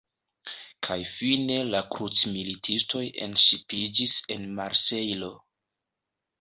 Kaj fine la “krucmilitistoj” enŝipiĝis en Marsejlo.